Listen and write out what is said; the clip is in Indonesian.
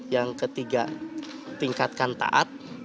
yang ketiga tingkatkan taat